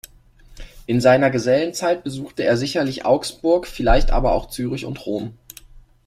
In seiner Gesellenzeit besuchte er sicherlich Augsburg, vielleicht aber auch Zürich und Rom.